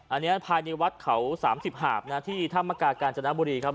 อันนี้ภายในวัดเขา๓๐หาบนะที่ธรรมกากาญจนบุรีครับ